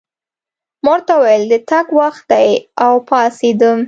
ما ورته وویل: د تګ وخت دی، او پاڅېدم.